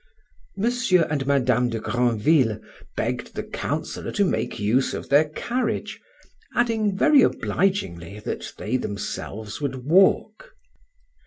M. and Mme. de Grandville begged the Councillor to make use of their carriage, adding very obligingly that they themselves would walk.